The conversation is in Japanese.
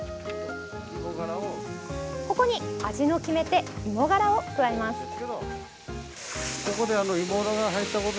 ここに、味の決め手芋がらを加えます。